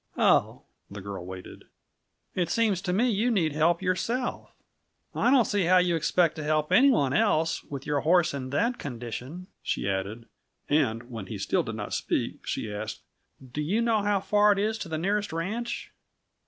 "Oh." The girl waited. "It seems to me you need help yourself. I don't see how you expect to help any one else, with your horse in that condition," she added. And when he still did not speak, she asked: "Do you know how far it is to the nearest ranch?"